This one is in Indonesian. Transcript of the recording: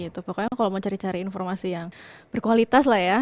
pokoknya kalau mau cari cari informasi yang berkualitas lah ya